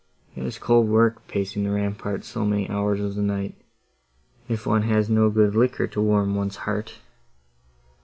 It is cold work, pacing the ramparts so many hours of the night, if one has no good liquor to warm one's heart."